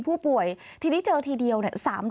พูดว่าโอ้โหใช้คำนี้เลยแทบจะร้องไห้